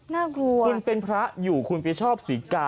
น่ากลัวคุณเป็นพระอยู่คุณไปชอบศรีกา